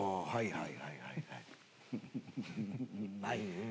はい。